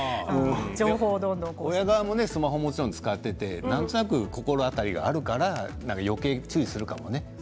親もスマホを持っていてなんとなく心当たりがあるからよけい注意するかもしれませんよね。